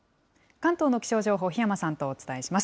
関東の気象情報、檜山さんとお伝えします。